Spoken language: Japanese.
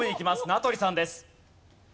名取さんです。